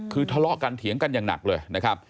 คือทะเลาะกันเถียงกันอย่างหนักเลยนะครับ